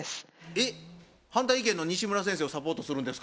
えっ反対意見の西村先生をサポートするんですか？